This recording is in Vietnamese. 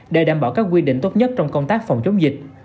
để đảm bảo các quy định tốt nhất trong công tác phòng chống dịch